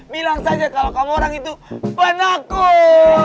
bilang saja kalau kamu orang itu penaku